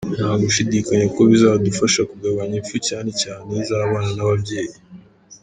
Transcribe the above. Nta gushidikanya ko bizadufasha kugabanya imfu cyane cyane iz’abana n’ababyeyi”.